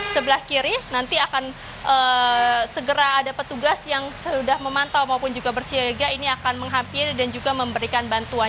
sebelah kiri nanti akan segera ada petugas yang sudah memantau maupun juga bersiaga ini akan menghampiri dan juga memberikan bantuan